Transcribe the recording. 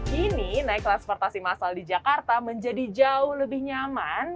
kini naik transportasi massal di jakarta menjadi jauh lebih nyaman